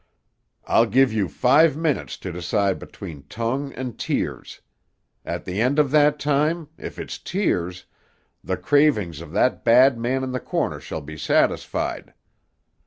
"I'll give you five minutes to decide between tongue and tears. At the end of that time, if it's tears, the cravings of that bad man in the corner shall be satisfied.